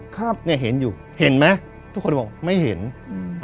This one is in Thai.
ครับเนี้ยเห็นอยู่เห็นไหมทุกคนบอกไม่เห็นอืม